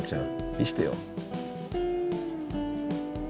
見してよ。